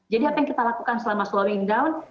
jadi apa yang kita lakukan selama slowing down